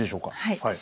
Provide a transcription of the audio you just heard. はい。